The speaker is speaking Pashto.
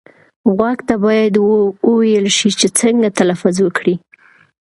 غوږ ته باید وویل شي چې څنګه تلفظ وکړي.